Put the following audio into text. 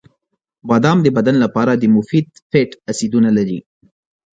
• بادام د بدن لپاره د مفید فیټ اسیدونه لري.